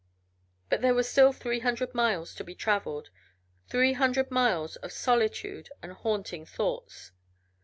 But there were still three hundred miles to be traveled, three hundred miles of solitude and haunting thoughts.